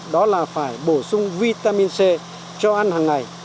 đó là phải bổ sung vitamin c cho ăn hàng ngày